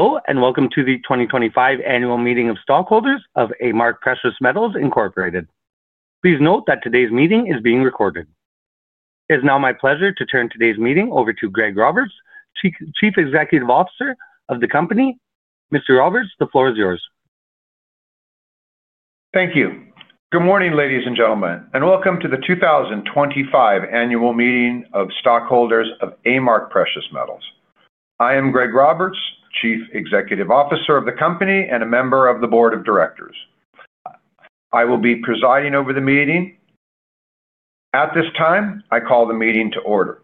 Hello, and welcome to the 2025 Annual Meeting of Stockholders of A-Mark Precious Metals Incorporated. Please note that today's meeting is being recorded. It is now my pleasure to turn today's meeting over to Greg Roberts, Chief Executive Officer of the company. Mr. Roberts, the floor is yours. Thank you. Good morning, ladies and gentlemen, and welcome to the 2025 Annual Meeting of Stockholders of A-Mark Precious Metals. I am Greg Roberts, Chief Executive Officer of the company and a member of the Board of Directors. I will be presiding over the meeting. At this time, I call the meeting to order.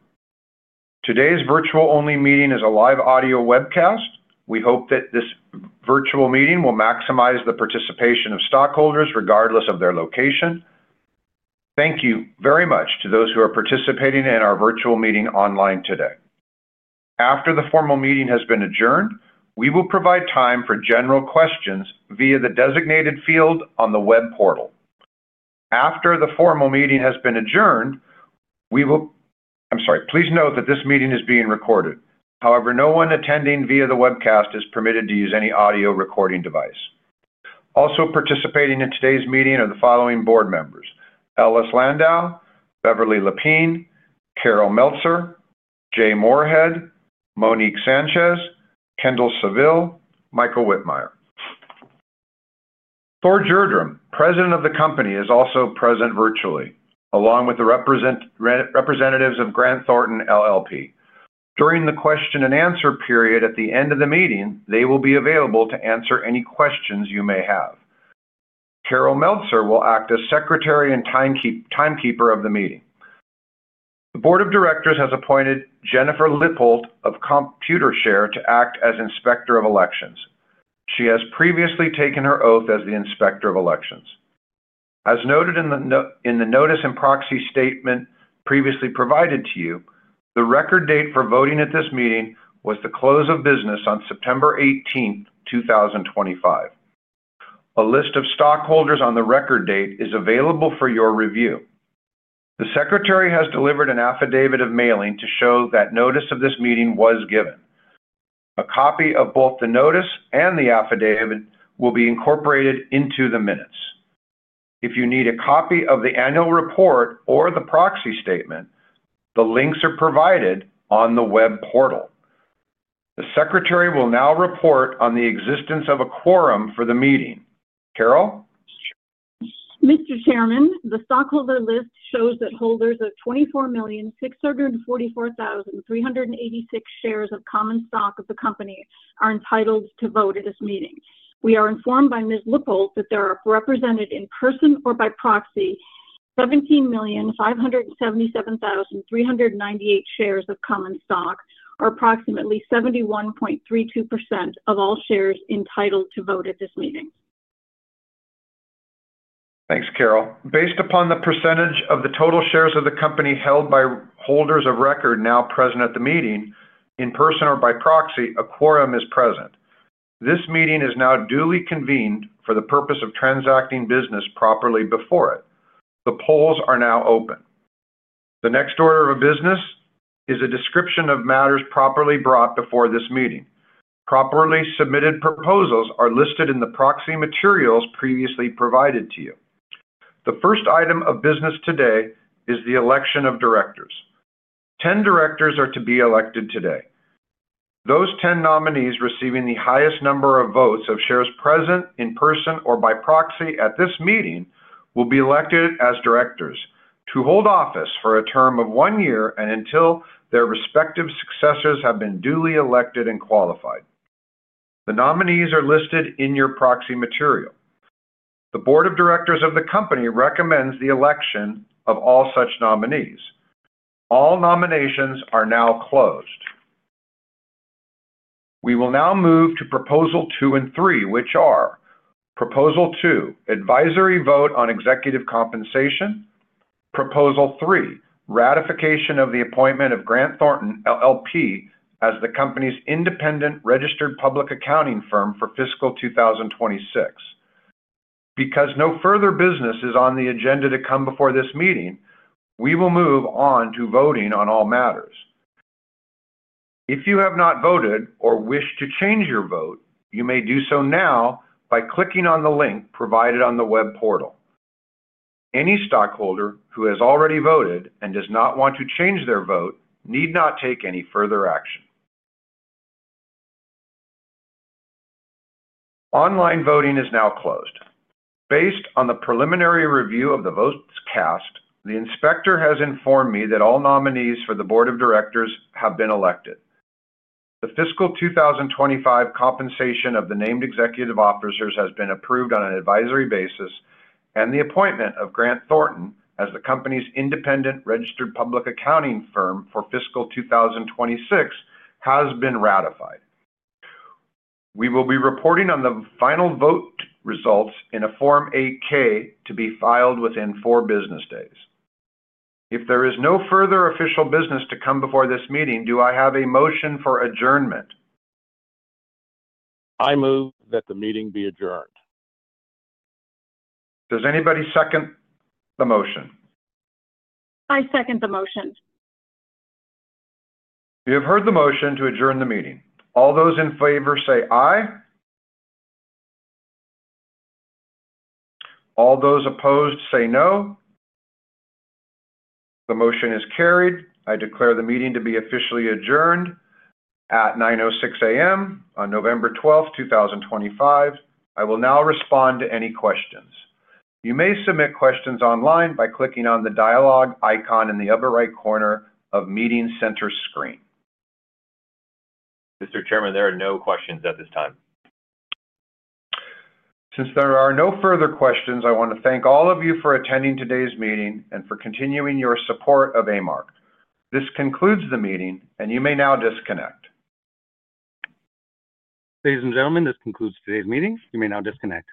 Today's virtual-only meeting is a live audio webcast. We hope that this virtual meeting will maximize the participation of stockholders regardless of their location. Thank you very much to those who are participating in our virtual meeting online today. After the formal meeting has been adjourned, we will provide time for general questions via the designated field on the web portal. After the formal meeting has been adjourned, we will—I'm sorry. Please note that this meeting is being recorded. However, no one attending via the webcast is permitted to use any audio recording device. Also participating in today's meeting are the following board members: Ellis Landau, Beverly Lepine, Carol Meltzer, Jay Moorhead, Monique Sanchez, Kendall Saville, Michael Wittmeyer. Thor Gjerdrum, President of the company, is also present virtually, along with the representatives of Grant Thornton, LLP. During the question-and-answer period at the end of the meeting, they will be available to answer any questions you may have. Carol Meltzer will act as Secretary and Timekeeper of the meeting. The Board of Directors has appointed Jennifer Lippold of Computershare to act as Inspector of Elections. She has previously taken her oath as the Inspector of Elections. As noted in the notice and proxy statement previously provided to you, the record date for voting at this meeting was the close of business on September 18th, 2025. A list of stockholders on the record date is available for your review. The Secretary has delivered an affidavit of mailing to show that notice of this meeting was given. A copy of both the notice and the affidavit will be incorporated into the minutes. If you need a copy of the annual report or the proxy statement, the links are provided on the web portal. The Secretary will now report on the existence of a quorum for the meeting. Carol? Mr. Chairman, the stockholder list shows that holders of 24,644,386 shares of common stock of the company are entitled to vote at this meeting. We are informed by Ms. Lippold that there are represented in person or by proxy 17,577,398 shares of common stock, or approximately 71.32% of all shares entitled to vote at this meeting. Thanks, Carol. Based upon the percentage of the total shares of the company held by holders of record now present at the meeting, in person or by proxy, a quorum is present. This meeting is now duly convened for the purpose of transacting business properly before it. The polls are now open. The next order of business is a description of matters properly brought before this meeting. Properly submitted proposals are listed in the proxy materials previously provided to you. The first item of business today is the election of directors. Ten directors are to be elected today. Those ten nominees receiving the highest number of votes of shares present in person or by proxy at this meeting will be elected as directors to hold office for a term of one year and until their respective successors have been duly elected and qualified. The nominees are listed in your proxy material. The Board of Directors of the company recommends the election of all such nominees. All nominations are now closed. We will now move to Proposal 2 and 3, which are: Proposal 2, Advisory Vote on Executive Compensation. Proposal 3, Ratification of the Appointment of Grant Thornton, LLP, as the company's independent registered public accounting firm for fiscal 2026. Because no further business is on the agenda to come before this meeting, we will move on to voting on all matters. If you have not voted or wish to change your vote, you may do so now by clicking on the link provided on the web portal. Any stockholder who has already voted and does not want to change their vote need not take any further action. Online voting is now closed. Based on the preliminary review of the votes cast, the inspector has informed me that all nominees for the Board of Directors have been elected. The fiscal 2025 compensation of the named executive officers has been approved on an advisory basis, and the appointment of Grant Thornton as the company's independent registered public accounting firm for fiscal 2026 has been ratified. We will be reporting on the final vote results in a Form 8-K to be filed within four business days. If there is no further official business to come before this meeting, do I have a motion for adjournment? I move that the meeting be adjourned. Does anybody second the motion? I second the motion. You have heard the motion to adjourn the meeting. All those in favor say aye. All those opposed say no. The motion is carried. I declare the meeting to be officially adjourned at 9:06 A.M. on November 12, 2025. I will now respond to any questions. You may submit questions online by clicking on the dialog icon in the upper right corner of Meeting Center screen. Mr. Chairman, there are no questions at this time. Since there are no further questions, I want to thank all of you for attending today's meeting and for continuing your support of A-Mark. This concludes the meeting, and you may now disconnect. Ladies and gentlemen, this concludes today's meeting. You may now disconnect.